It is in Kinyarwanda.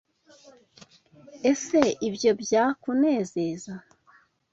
Ese ibyo byakunezeza?